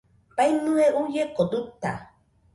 Baiñɨe uieko duta